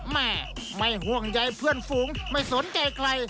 แม่ไม่ห่วงใยเพื่อนฝูงไม่สนใจใคร